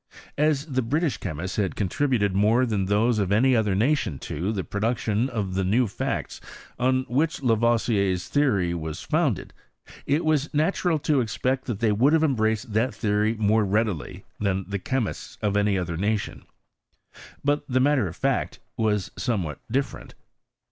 As the British chemists had contributed more than those of any other nation to the production of the new facts on which Lavoisier'stheory was founded, it was natural to expect that they would have embraced that theory more readily than the chemists of any other nation r but the matter of fact was somewhat different.